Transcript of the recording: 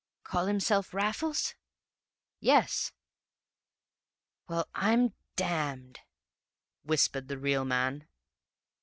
"'Call himself Raffles?' "'Yes.' "'Well, I'm damned!' whispered the real man.